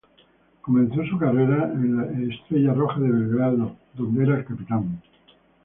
Comenzó su carrera en el Estrella Roja de Belgrado donde era el capitán.